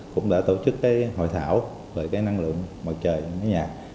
cũng đã tổ chức hội thảo về năng lượng mặt trời nhà